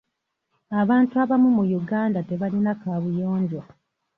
Abantu abamu mu Uganda tebalina kaabuyonjo.